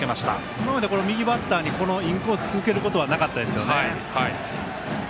今まで右バッターにインコース続けることはなかったですよね。